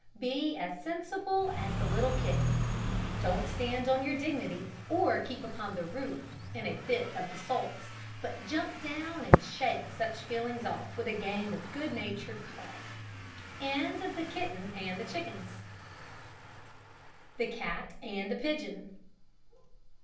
Be as sensible as the little kitten. Don't stand on your dignity, or keep upon the roof, in a fit of the sulks; but jump down, and shake such feelings off with a game of good natured play. THE CAT AND THE PIGEON.